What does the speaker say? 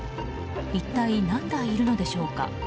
一体、何台いるのでしょうか。